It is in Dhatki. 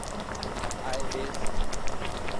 آئي ٻيس.